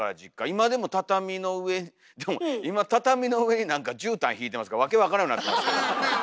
今でも畳の上でも今畳の上になんかじゅうたんひいてますから訳分からんようなってますけども。